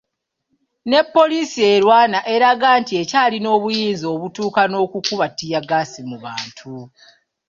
Ne Poliisi erwana erage nti ekyalina obuyinza obutuuka ne kukuba ttiyaggaasi mu bantu.